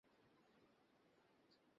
এটা সে নয়।